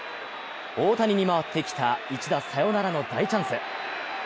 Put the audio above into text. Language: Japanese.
大谷に回ってきた一打サヨナラの大チャンス。